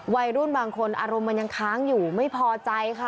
วัยรุ่นบางคนอารมณ์มันยังค้างอยู่ไม่พอใจค่ะ